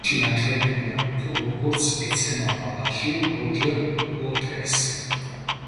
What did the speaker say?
ფილმში ნაჩვენებია, თუ როგორც ეცემა ბალახში როჯერ უოტერსი.